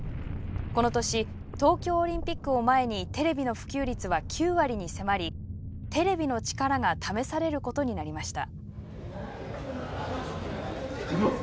この年東京オリンピックを前にテレビの普及率は９割に迫りテレビの力が試されることになりました。